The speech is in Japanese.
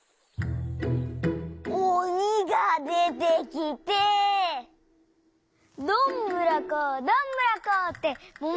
おにがでてきて「どんぶらこどんぶらこ」ってももがながれてきて。